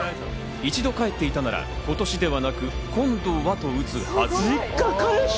一度帰っていたなら今年はではなく、今度はとなるはず。